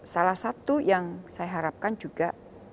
salah satu yang saya harapkan juga